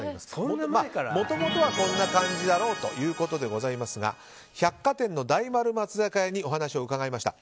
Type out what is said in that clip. もともとはこんな感じだろうということでございますが百貨店の大丸松坂屋にお話を伺いました。